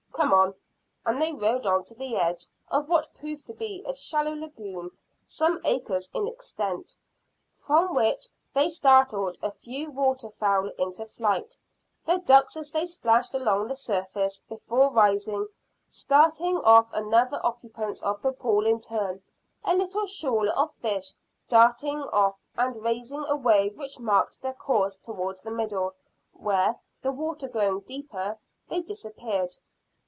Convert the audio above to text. "Come on," and they rode on to the edge of what proved to be a shallow lagoon some acres in extent, from which they startled a few waterfowl into flight, the ducks, as they splashed along the surface before rising, starting off other occupants of the pool in turn, a little shoal of fish darting off and raising a wave which marked their course towards the middle, where, the water growing deeper, they disappeared.